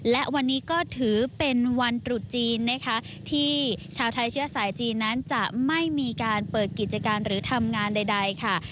และวันนี้ก็ถือเป็นวันตรุษจีนนะคะที่ชาวไทยเชื้อสายจีนนั้นจะไม่มีการเปิดกิจการหรือทำงานใดค่ะ